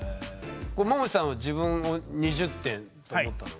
ももちさんは自分を２０点と思ったのは？